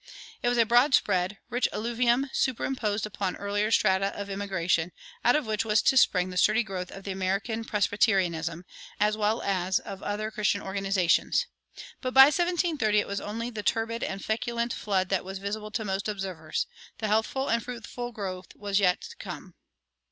It was a broad spread, rich alluvium superimposed upon earlier strata of immigration, out of which was to spring the sturdy growth of American Presbyterianism, as well as of other Christian organizations. But by 1730 it was only the turbid and feculent flood that was visible to most observers; the healthful and fruitful growth was yet to come.